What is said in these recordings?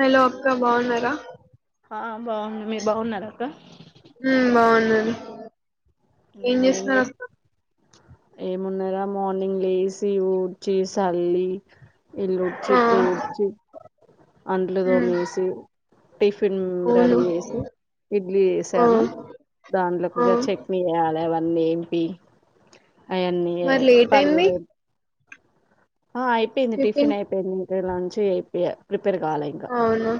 Hello అక్క బాగున్నారా ఆ బావున్న మీరు బాగున్నారా అక్క హ్మ్ బావున్నాను ఏం చేస్ ఏమున్నాయి రా మార్నింగ్ లేసి ఊడ్చి సల్లి ఇల్లు ఊడ్చి ఆ తూడ్చి అంట్లు ఉమ్ తోమేసి టిఫిన్ అవును రెడీ చేసి ఇడ్లీ ఆ వేసాను ఆ దాంట్లోకిగా చెట్ చాల అవన్నీ ఏంపి అవన్నీ మరి లేట్ అయింది పల్లీలు ఆ అయిపోయింది టిఫిన్ అయిపోయింది ఇక లంచ్ అయిపోయా ప్రిపేర్ కావాలి ఇంకా అవును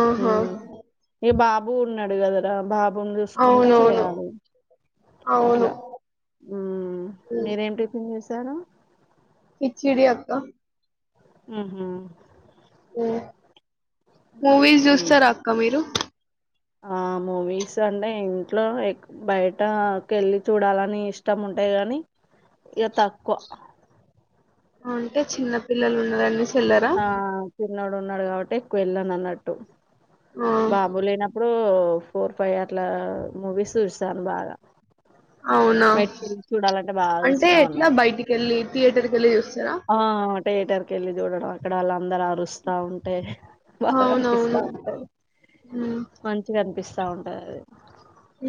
ఆహా హ్మ్ ఈ బాబు ఉన్నాడు కదరా బాబు బుని చూసుకుంటా అవునవును చేయాలి అవును అట్లా ఉమ్ మీరేం టిఫిన్ చేసారు కిచ్చిడి అక్క ఉమ్ హు ఉమ్ మూవీస్ ఉమ్ చూస్తారక్క మీరు ఆ మూవీస్ అంటే ఇంట్లో బయటకెళ్ళి చూడాలని ఇష్టం ఉం టయి కానీ ఇగ తక్కువ అంటే చిన్న పిల్లలు ఉన్నరనేసి ఆ చిన్నోడు ఉన్నాడు కాబట్టి ఎక్కువ వెళ్ళను అన్నట్టు ఆ బాబులేన ప్పుడు ఫోర్ ఫైవ్ అట్లా మూవీస్ చూశాను బాగా అవునా బయటికెళ్ళి చూడాలంటే బాగా అంటే ఇష్టం ఎట్లా అన్నట్టు బయటికి వెళ్ళి థియేటర్ కి వెళ్ళి చూస్ ఆ థియేటర్ కి వెళ్ళి చూడడం అక్కడ అలా అందరు అరుస్తా ఉంటే బాగా అవునవును అనిపిస్తా ఉంటది ఉమ్ మంచిగా అనిపిస్ స్తా ఉంటది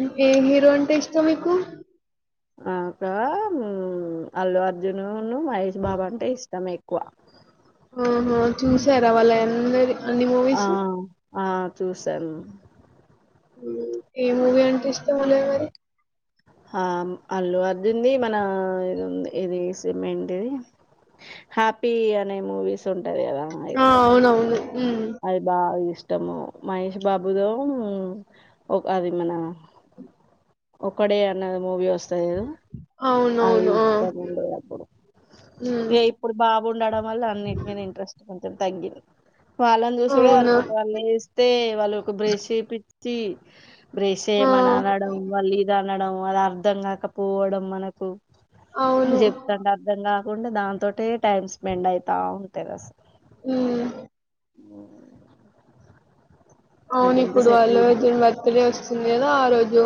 మ్ ఏ హీరో అంటే ఇష్టం మీకు నాకా మ్ అల్లు అర్జును మహేష్ బాబు అంటే ఇష్టమే కువ ఆహా చూసారా వాళ్ళయి అందరి అన్ని ఆ! మూవీస్ ఆ! చూసాను ఏ మూవీ అంటే ఇష్టమున్నాయి మరి ఆ అల్లు అర్జున్ ది మన ఇది ఉంది ఇది సినిమా ఏంటిది హ్యాపీ అనే మూవీస్ ఉంటాయి కదా! ఆ ఎక్కువ. అవునవును హ్మ్. అది బాగా ఇష్ ష్టము మహేష్ బాబుదో ఒక అది మన ఒక్కడే అన్నది మూవీ వస్ వస్తది కదా ఆది అవునవును. ఆ! ఇష్టముండే అప్పుడు హ్మ్. ఇ ఇప్పుడు బాబుండడం వల్ల అన్నింటి మీద ఇంట్రెస్ట్ పో కంచం తగ్గింది వాళ్ళని చూసుడే అవునా! సరిపోతది వాళ్ళు లేస్తే వాళ్ళకి బ్రష్ చేపి చ్చి బ్రష్ ఆ! చెయ్యమని అని అనడం వాళ్ళిది అనడం అది అ అర్థం కాకపోవడం మనకు అళ్ళు అవును. చెప్తంటె అర్థం కాకుండా దాంతోటే టైమ్ స్పెండ్ అయితా ఉంటది అస ఉమ్ ఊ మ్ అవును ఇప్పుడు అల్లు అర్జున్ బర్త్ డే వస్తుంది కదా ఆ రోజు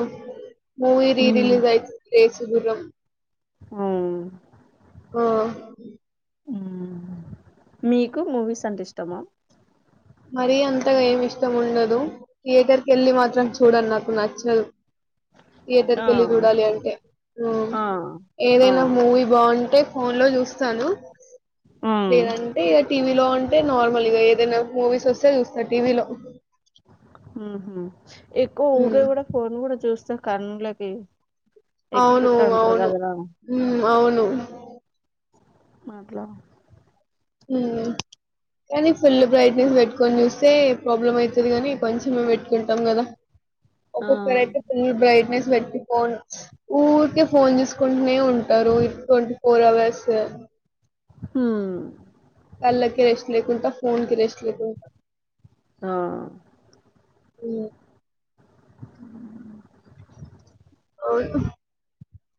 మూవీ రీరిలీజ్ అయితుంది రేసుగుర్రం ఆ ఓ మ్ మీకు మూవీస్ అంటే ఇష్టమా మరీ అంతగా ఏమి ఇష్టం ఉండదు థియేటర్ కి వెళ్ళి మాత్రం చూడం నాకు నచ్చదు థియేటర్కి ఆ వెళ్ళి చూడాలి అంటే ఆ ఆ ఏదైనా మూవీ బాగుంటే ఫోన్ లో చూస్తాను ఆ లేదంటే ఇగ టీవీలో అంటే నార్మల్గా ఏదైనా మూవీస్ వస్తే చూస్తా టీవీలో ఉహు ఎక్కువ ఊకే మ్మ్ కూడా ఫోన్ కూడా చూస్తా కండ్లకి అవును అవును మ్ అవును మాట్ల ఉమ్ కానీ ఫుల్ బ్రైట్నెస్ పెట్టుకుని చూస్తే ప్రాబ్లమ్ అయితది కాని కొంచమే పెట్టుకుంటాం కదా ఆ ఒక్కోకసారైతే ఫుల్ బ్రైట్నెస్ పెట్టుకోను ఊరికే ఫోన్ చుసుకుంటూనే ఉంటారు ట్వంటీ ఫోర్ అవర్స్ హు కళ్ళకి రెస్ట్ లేకుంట ఫోన్ కి రెస్ట్ లేకుంట ఆ మ్ ఔను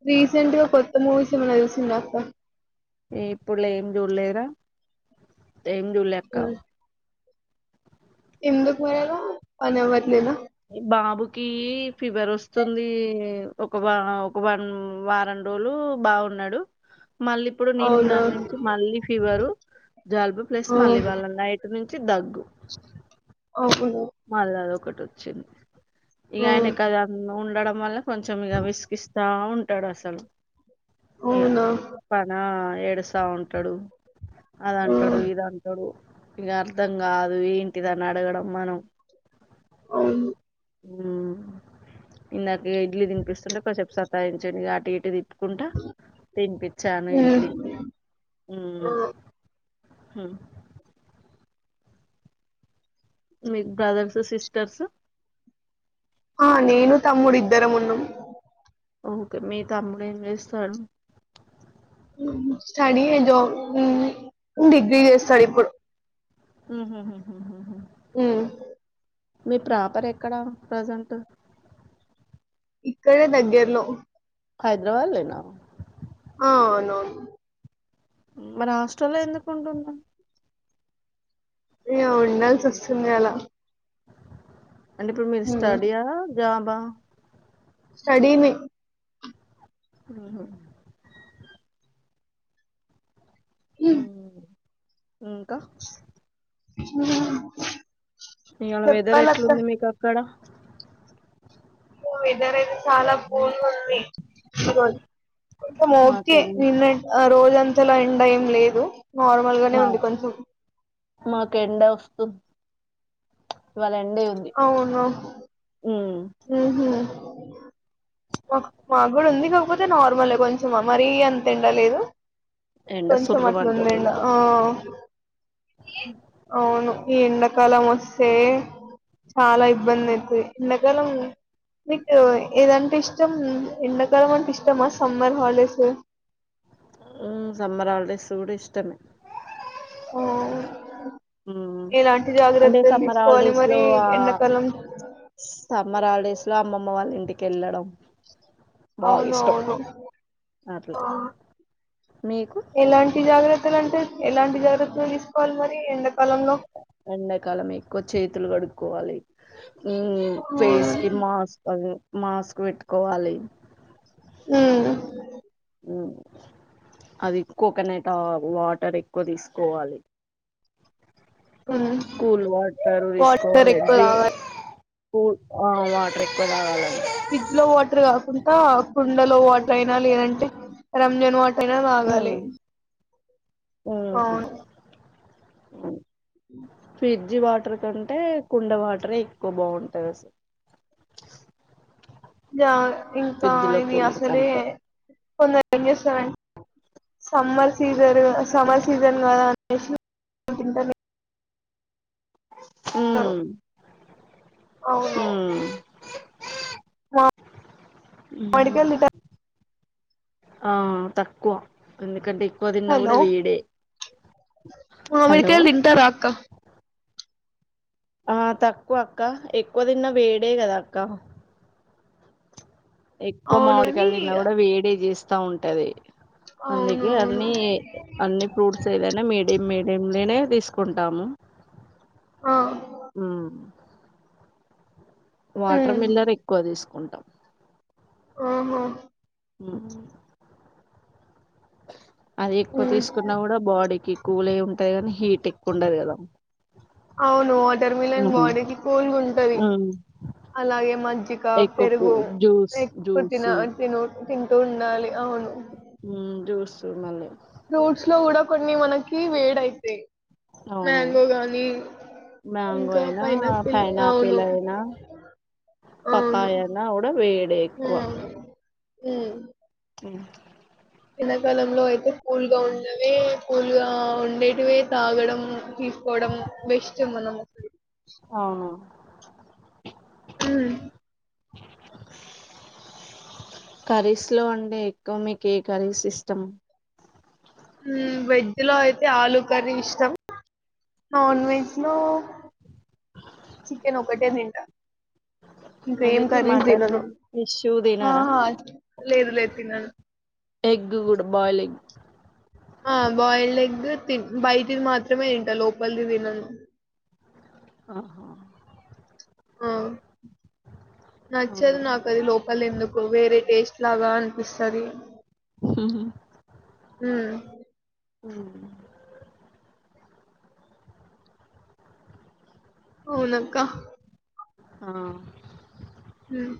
రీసెంట్గ కొత్త మూవీస్ ఏమనా చూసింరా అక్క ఎ ఇప్పుల్ల ఏం చూడ్లేరా ఏం చూలే అక్క ఎందుక్ మరలా పని అవ్వట్లేదా బాబుకీ ఫివర్ ఒస్తుందీ ఒక వా ఒక వారం వారం రోలూ బాగున్నడు మళ్ళిప్పుడు నిన్న అవునా నుంచి మళ్ళి ఫీవరు జల్బు ప్లస్ ఆ మళ్ళి వాళ నైట్ ను అవును మల్లదొకటి ఒచ్చింది ఇగ ఆ ఆయన కద ఉండడం వల్ల కొంచెం ఇగ విసిగిస్తా ఉంటడు అసలు ఇగ అవునా పనా ఏడుసా ఉంటడు ఆ అదంటడు ఇదంటడు ఇగ అర్థం గాదు ఏంటిది అన్ అడగడం మనం అవును మ్ ఇందాక ఇడ్లీ దిన్పిస్తుంటే కొసేప్ సతాయించండ్ ఇగ అటు ఇటు తిప్ కుంట తినిపిచ్చాను హ్మ్ ఇడ్లి ఆ మ్ మ్ మీక్ బ్రదర్సు సిస్టర్సు ఆ నేను తమ్ముడు ఇద్దరం ఉన్నం ఓకె మీ తమ్ముడు ఏం చేస్తాడు స్టడీ ఎ జాబ్ డిగ్రీ చేస్తాడు ఇప్పుడు మ్ హ్ మ్ హ్ మ్ హ్ మ్ మీ ప్రాపర్ ఎక్కడా ప్రజెంట్ ఇక్కడె దగ్గర్లో హైదరాబాద్ లేనా ఆ ఔనౌను మర్ ఆస్టళ్ల ఎందుకుంటున్నవ్ ఇగా ఉండాల్సి ఒస్తుంది అలా అంటె ఇప్పుడ్ మీర్ హ్మ్ స్టడియా జాబా స్టడీ నె ఆ మ్ ఇంకా అ ఇవాళ వెదర్ ఎట్లుంది మీక్ అక్కడ వెదర్ అయితే చాలా కూల్గుంది చం ఓకే మాకేమో నిన్న రోజంతల ఎండ ఏం లేదు నార్మల్గనే మా ఉంది కొంచెం ఇవాళెండ్ అవును మ్ హ్ మక్ మాగుడ ఉంది కాకపోతే నార్మల్ ఏ కొంచెం మరీ అంత ఎండ లేదు ఎండ కొంచెం అట్లుంద్ సుర్రుమంటుంది ఎండ ఇవాళ ఔను ఈ ఎండాకాలం ఒస్సే చాలా ఇబ్బందైతది ఎండాకాలం మీకు ఏదంటే ఇష్ట్ చెం ఎండాకాలం అంటే ఇష్టం ఆ సమ్మర్ హాల్డేస్ ఉ సమ్మర్ హాల్డేస్ గుడా ఇష్టమే ఆ మ్ ఎలాంటి అంటె జాగ్రత్తలు సమ్మర్ తీసుకోవాలి హాల్డేస్ మరి లో ఆ ఎండాకాలం సమ్మర్ హాల్డేస్ లో అమ్మమ్మ వాళ్ళింటికెళ్ళడం అవునువును అట్లా మీకు ఎలాంటి జాగ్రత్తలు అంటే ఎలాంటి జాగ్రత్తలు తీసుకోవాలి మరి ఎండాకాలంలో ఎండాకాలం ఎక్కువ చేతులు కడుక్కోవాలి ఉ అవును ఫేస్ కి మాస్క్ మాస్క్ పెట్టుకోవాలి మ్మ్మ్మ్ ఉ అది కోకోనట్ వాటర్ ఎక్కువ తీసుకోవాలి ఉమ్ కూల్ వాటరు వాటర్ ఎక్కువ ఇసుకోవాలండీ తాగాలి కూల్ వాటర్ ఎక్కువ తాగాలి అండి ఫ్రిడ్జ్ లో వాటర్ కాకుండా కుండలో వాటర్ అయినా లేదంటే రంజాన్ వాటర్ నా తాగాలి మ్మ్మ్మ్ అ ఫిడ్జి వాటర్ కంటే కుండ వాటరే ఎక్కువ బాగుంటది అసలు ఇంకా ఫ్రిడ్జ్ లో ఇది కూలింగ్ అసలే కంటే కొందరు ఏం చేస్తారంట సమ్మర్ సీజన్ సమ్మర్ సీజన్ కదా అనేసి తింటాను మ్మ్మ్మ్ అవును ఉమ్. మడికందిట ఆ తక్కువ ఎందుకంటే పదిన్న కూడా హలో వీడే హలో మామిడికాయలు తింటారా అక్క ఆ తక్కువ అక్క ఎక్కువ తిన్నా వేడే కదా అక్క ఎక్కువ అవును అని మామిడికళ్ తిన్నా కూడా వేడే చేస్తా ఉంటది అవును అందుకే అవును అన్ని అన్ని ఫ్రూట్స్ ఏదైనా మీడియం మీడియం లోనే తీసుకు కుంటాము ఆ వాటర్ ఉమ్ మిల్లర్ ఎక్కువ తీసుకుంటాం ఓవో మ్మ్మ్మ్ అది ఎక్కువ ఉమ్ తీసుకున్నా కూడా బాడీకి కూల్యి ఉంటది కానీ హీట్ ఎక్కువ ఉంటది కదా అవును వాటర్మిలన్ ఉహు బాడీకిి కూల్గా ఉంటంది ఉమ్ అలాగే మజ్జిక ఎక్కువ కూ- పెరుగు జ్యూస్ ఎక్కువ జ్యూస్ తిన తిను తింటూ ఉండాలి అవును సూర్ మలే ఫ్రూట్స్ లో కూడా కొన్ని మనకి వేడ అయితాయి మ్యాంగో గానీ మంగోయనా అవును పైనాపిల్ అయినా అవును పపాయన్న కూడా వేడే ఎక్కువ మ్మ్మ్మ్ మ్మ్మ్మ్ ఎండాకల్లంలో అయితే కూల్గా ఉండవి కూల్గా ఉండేటివే తాగడం పొద్దెం బెస్ట్ మనం అవును మ్మ్మ్మ్ కర్రీస్ లో ఉంటే ఎక్కువ మీకు ఏ కర్రీస్ ఇష్టం వెజ్ లో అయితే ఆలూ కర్రీ ఇష్టం నాన్ వెజ్ లో చికెన్ ఒకటే తింట ఇంకా ఏం ఎందుకు ఖరీస్ మటన్ తినను ఫిష్ తినారా ఆహా లేదు లేదు తిన్నాను ఎగ్ కూడా బాయిల్ ఎగ్ ఆ బాయిల్డ్ ఎగ్ తి బయటిది మాత్రమే తింటా లోపలిది తినేను ఆహ ఆ ఆ నచ్చదు నాకు అది లోప ల ఎందుకో వేరే టేస్ట్ లాగా అనిపిస్తది ఉమ్. హుమ్ ఉమ్ అవునక్క ఆ హ్మ్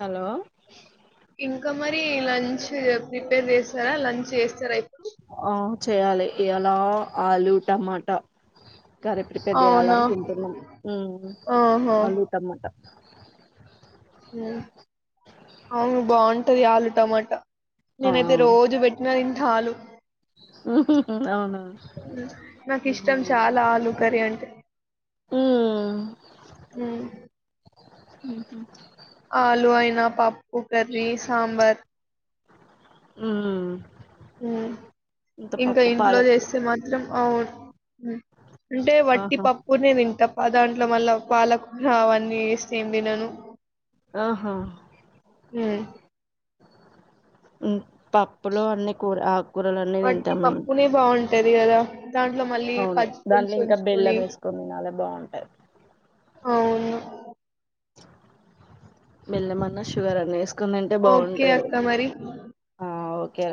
హలో ఇంకా మరి లంచ్ ప్రిపేర్ చేస్తారా లంచ్ చేస్తారా అయితే ఆ చేయాలి ఇయాలా ఆలూ టమాటా కర్రీ ప్రిపేర్ చేయాల అవునా అనుకుంటున్నాం ఆహా ఆలూ టమాట అవును బాగుంటది ఆలూ టమాటా ఆ నేనైతే రోజు పెట్టిన తింటా ఆలు అవునా ఉమ్ నాకు ఉమ్ ఇష్టం చాలా ఆలూకర్రీ అంటే మ్మ్ ఉమ్ హు ఆలూ అయినా పప్పు కర్రీ సాంబార్ ఉమ్ ఉమ్ ఇంత ఇంక పప్పు ఇంట్లో పాలకు చేస్తే మాత్రం అవును హుమ్ అంటే వట్టి ఆహా పప్పూనే తింటాం మాదాంట్లో మళ్ళా పాలకు అవన్నీ వేస్తే ఏం తినను ఆహా మ్మ్ మ్మ్ పప్పులో అన్ని కూర అక్ వట్టి పప్పునే బాగుంటది కదా దాంట్లో మళ్ళీ అవును దాంట్లో పచ్చిపులుసు ఇంకా వంచుకుని బెల్లం వేసుకొని తినాలి బాగుంటది అవును బెల్లమన్న షుగరన్నా వేసు కుందంటే ఓకే బాగుంటుంది అక్క మరి ఓకే